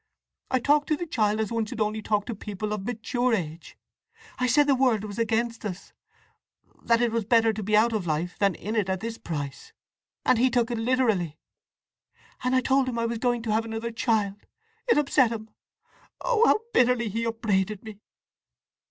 I talked to the child as one should only talk to people of mature age. I said the world was against us, that it was better to be out of life than in it at this price; and he took it literally. And I told him I was going to have another child. It upset him. Oh how bitterly he upbraided me!"